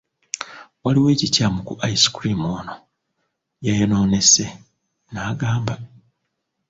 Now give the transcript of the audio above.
Waliwo ekikyamu ku ice cream ono, yayonoonese, n'agamba.